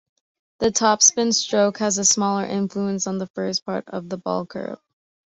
The topspin stroke has a smaller influence on the first part of the ball-curve.